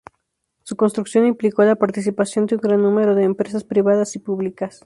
Su construcción implicó la participación de un gran número de empresas privadas y públicas.